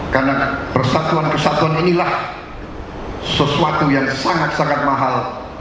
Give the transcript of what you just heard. karena persatuan kesatuan inilah sesuatu yang sangat sangat mahal